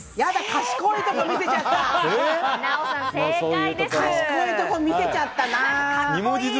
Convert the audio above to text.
賢いところ見せちゃったな。